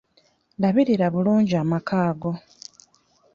Labirira bulungi amaka go.